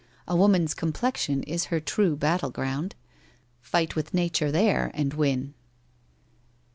' A woman's complexion is her true battle ground. Fight with nature there and win.'